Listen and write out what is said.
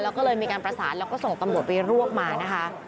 แล้วก็เลยมีการประสานแล้วก็ส่งตำรวจไปรวบมานะคะ